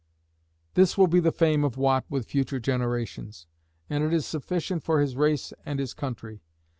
This will be the fame of Watt with future generations; and it is sufficient for his race and his country.